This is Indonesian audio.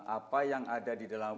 apa yang ada di dalam